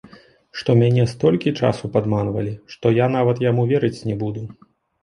Што мяне столькі часу падманвалі, што я нават яму верыць не буду.